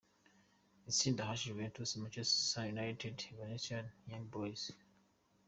Itsinda H: Juventus, Manchester United, Valencia, Young Boys.